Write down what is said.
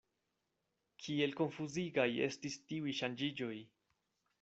Kiel konfuzigaj estis tiuj ŝanĝiĝoj.